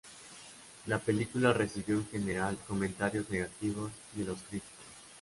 La película recibió en general comentarios negativos de los críticos.